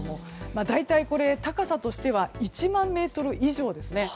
大体、高さとしては１万メートル以上ですね。